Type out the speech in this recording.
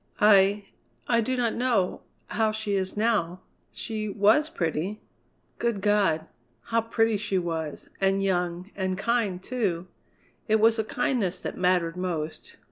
"I I do not know how she is now. She was pretty. Good God! how pretty she was, and young, and kind, too. It was the kindness that mattered most.